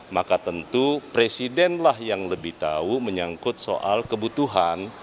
maka tentu presidenlah yang lebih tahu menyangkut soal kebutuhan